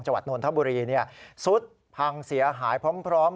จังหวัดนนทบุรีซุดพังเสียหายพร้อม